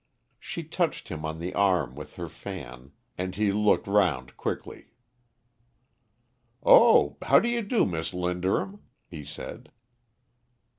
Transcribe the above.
She touched him on the arm with her fan, and he looked round quickly. "Oh, how do you do, Miss Linderham?" he said.